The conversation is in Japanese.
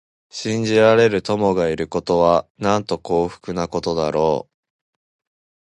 信じられる友がいるということは、なんと幸福なことだろう。